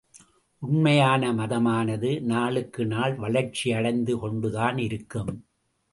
உண்மையான மதமானது நாளுக்கு நாள் வளர்ச்சி அடைந்து கொண்டுதான் இருக்கும்.